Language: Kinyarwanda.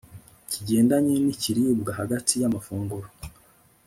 kigendanye nikiribwa hagati yamafunguro